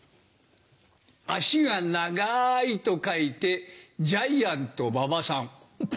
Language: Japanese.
「足」が長いと書いてジャイアント馬場さんポ。